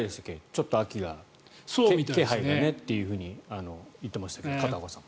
ちょっと秋の気配がと言ってましたけど、片岡さん。